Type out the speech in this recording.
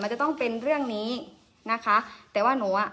จะต้องเป็นเรื่องนี้นะคะแต่ว่าหนูอ่ะ